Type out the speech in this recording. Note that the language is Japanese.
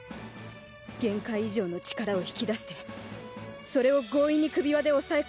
限界以上の力を引き出してそれを強引に首輪で抑え込んでる。